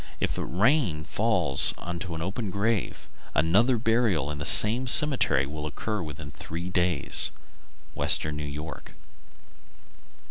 If rain falls into an open grave, another burial in the same cemetery will occur within three days. _Western New York.